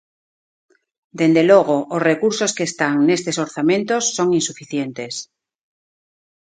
Dende logo, os recursos que están nestes orzamentos son insuficientes.